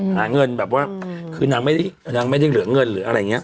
หาเงินแบบว่าคือนางไม่ได้นางไม่ได้เหลือเงินหรืออะไรอย่างนี้